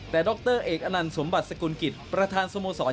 แต่ดรเอกอนันต์สมบัติสกุลกิจประธานสโมสร